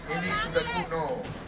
ini sudah kuno